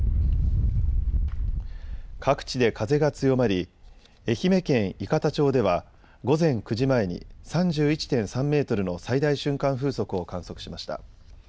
各地で風が強まり愛媛県伊方町では午前９時前に３１．３メートルの最大瞬間風速を観測しました。